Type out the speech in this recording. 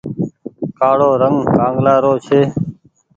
ڪآڙو رنگ ڪآنگلآ رو ڇي۔